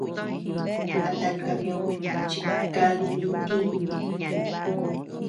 A tan kabiö chi kadi dì ntiñu.